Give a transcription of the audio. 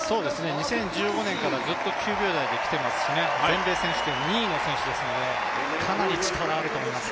２０１５年からずっと９秒台できてますし、全米選手権２位で、かなり力のある選手です。